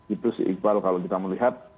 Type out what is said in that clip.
itu sih iqbal kalau kita melihat